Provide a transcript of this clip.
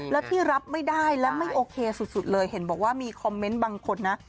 และที่รับไม่ได้และไม่โอเคสุดเลยเห็นบอกว่ามีคอมเมนต์บางคนนะ